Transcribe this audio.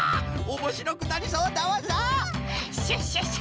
おもしろくなりそうだわさ！